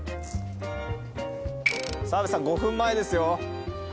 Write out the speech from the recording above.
澤部さん５分前ですよ。